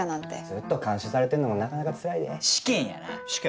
ずっと監視されてんのもなかなか、つらいで。